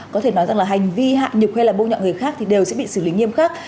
có thể nói rằng là hành vi hạ nhục hay là bố nhọ người khác